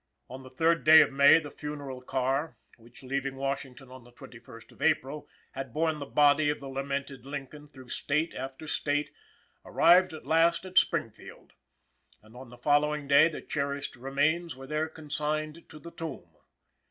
On the third day of May the funeral car, which, leaving Washington on the twenty first of April, had borne the body of the lamented Lincoln through State after State, arrived at last at Springfield; and on the following day the cherished remains were there consigned to the tomb.